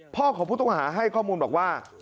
ของผู้ต้องหาให้ข้อมูลบอกว่า